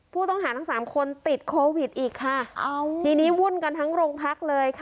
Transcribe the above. ผู้ต้องหาทั้งสามคนติดโควิดอีกค่ะทีนี้วุ่นกันทั้งโรงพักเลยค่ะ